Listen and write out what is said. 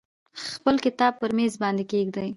خپل کتاب پر میز باندې کیږدئ.